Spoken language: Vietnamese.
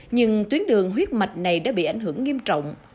nhưng tuyến đường huyết mạch này đã bị ảnh hưởng nghiêm trọng